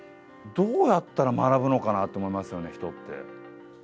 どうやったら学ぶのかなって思いますよね、人って。